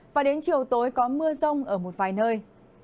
và đến chiều tối có mưa rông ở một vài nơi